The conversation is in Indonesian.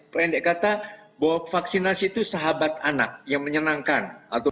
perhendek kata bahwa vaksinasi itu sahabat anak yang menyenangkan